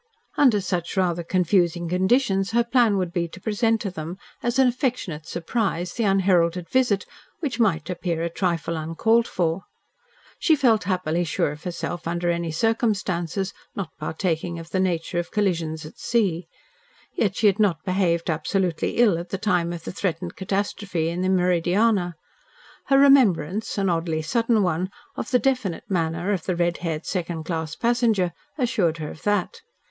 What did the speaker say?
Under such rather confusing conditions her plan would be to present to them, as an affectionate surprise, the unheralded visit, which might appear a trifle uncalled for. She felt happily sure of herself under any circumstances not partaking of the nature of collisions at sea. Yet she had not behaved absolutely ill at the time of the threatened catastrophe in the Meridiana. Her remembrance, an oddly sudden one, of the definite manner of the red haired second class passenger, assured her of that.